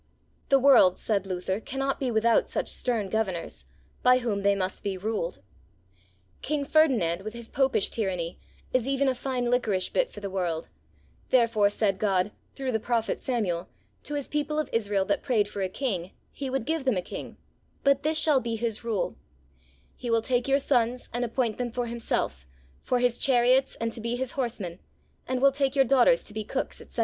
The world, said Luther, cannot be without such stern Governors, by whom they must be ruled. King Ferdinand, with his Popish tyranny, is even a fine liquorish bit for the world; therefore said God, through the Prophet Samuel, to his people of Israel that prayed for a King, He would give them a King, but this shall be his rule: "He will take your sons, and appoint them for himself, for his chariots, and to be his horsemen, and will take your daughters to be cooks," etc.